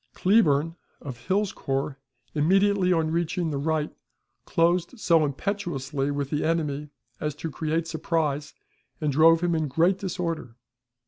Cleburne, of Hill's corps, immediately on reaching the right, closed so impetuously with the enemy as to create surprise, and drove him in great disorder.